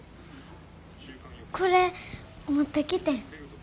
これ持ってきてん。